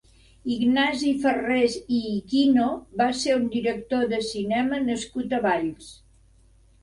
Ignasi Ferrés i Iquino va ser un director de cinema nascut a Valls.